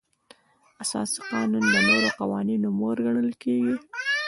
اساسي قانون د نورو قوانینو مور ګڼل کیږي.